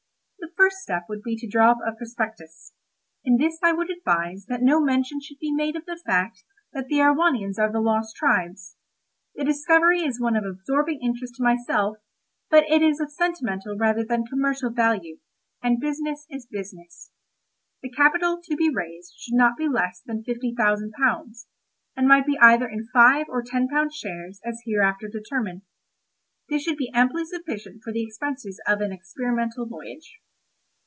The first step would be to draw up a prospectus. In this I would advise that no mention should be made of the fact that the Erewhonians are the lost tribes. The discovery is one of absorbing interest to myself, but it is of a sentimental rather than commercial value, and business is business. The capital to be raised should not be less than fifty thousand pounds, and might be either in five or ten pound shares as hereafter determined. This should be amply sufficient for the expenses of an experimental voyage.